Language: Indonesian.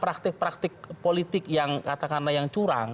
praktik praktik politik yang katakanlah yang curang